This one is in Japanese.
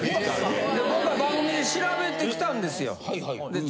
で今回番組で調べてきたんですよ。